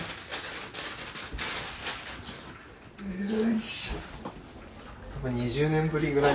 よいしょ。